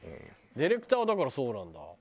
ディレクターはだからそうなんだ。